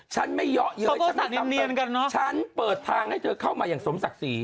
หมายถึงบุษาเปิดทางก์ให้เธอก็มาอย่างสมศักดิ์สี